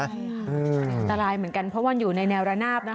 อันตรายเหมือนกันเพราะว่าอยู่ในแนวระนาบนะคะ